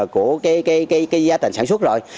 của cái giá thành sản xuất rồi